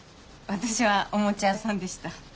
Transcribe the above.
私はおもちゃ屋さんでした。